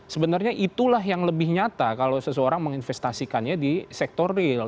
sebenarnya itulah yang lebih nyata kalau seseorang menginvestasikannya di sektor real